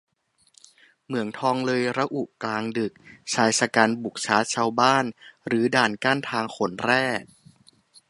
เหมืองทองเลยระอุกลางดึก-ชายฉกรรจ์บุกชาร์จชาวบ้าน-รื้อด่านกั้นทางขนแร่